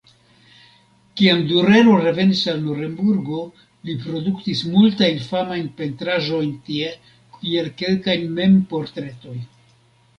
Kiam Durero revenis al Nurenbergo li produktis multajn famajn pentraĵojn tie, kiel kelkaj mem-portretoj.